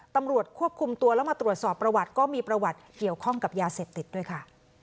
ตำรวจควบคุมตัวแล้วมาตรวจสอบประวัติก็มีประวัติเกี่ยวข้องกับยาเสพติดด้วยค่ะ